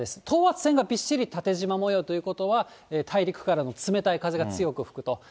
等圧線がびっしり縦じま模様ということは、大陸からの冷たい風が強く吹くと。